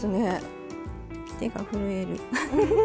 手が震える。